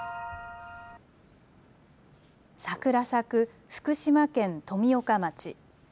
桜咲く福島県富岡町。